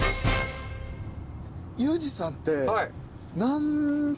ユージさんって。